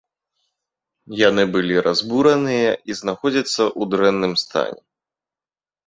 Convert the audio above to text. Яны былі разбураныя і знаходзяцца ў дрэнным стане.